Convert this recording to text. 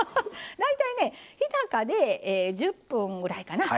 大体ね日高で１０分ぐらいかな。